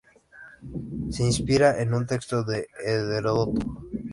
Se inspiran en un texto de Heródoto.